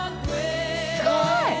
すごい！